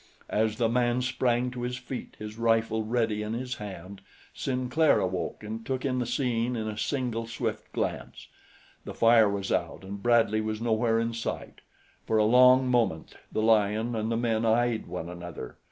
As the man sprang to his feet, his rifle ready in his hand, Sinclair awoke and took in the scene in a single swift glance. The fire was out and Bradley was nowhere in sight. For a long moment the lion and the men eyed one another.